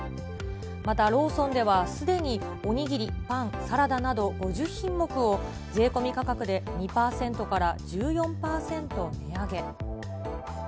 またローソンではすでにお握り、パン、サラダなど５０品目を、税込み価格で２％から１４％値上げ。